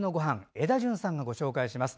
エダジュンさんがご紹介します。